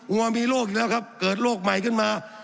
วัวมีโรคอีกแล้วครับเกิดโรคใหม่ขึ้นมา